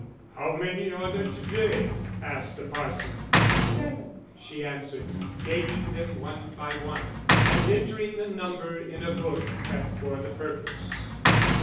"How many are there to day?" asked the parson. "Seven," she answered, dating them one by one, and entering the number in a book kept for the purpose.